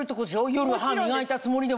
夜歯磨いたつもりでも。